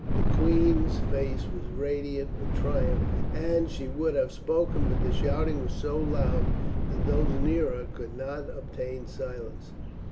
The queen's face was radiant with triumph, and she would have spoken but the shouting was so loud that those near her could not obtain silence.